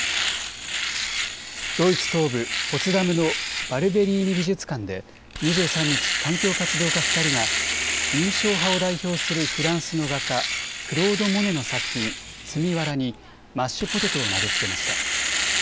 ドイツ東部ポツダムのバルベリーニ美術館で２３日、環境活動家２人が印象派を代表するフランスの画家、クロード・モネの作品、積みわらにマッシュポテトを投げつけました。